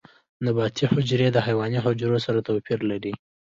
نباتي حجرې د حیواني حجرو سره توپیر لري